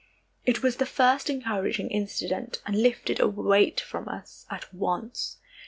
It was the first encouraging incident, and lifted a weight from us at once.